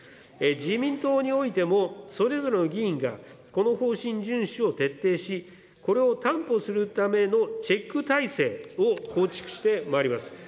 自民党においても、それぞれの議員が、この方針順守を徹底し、これを担保するためのチェック体制を構築してまいります。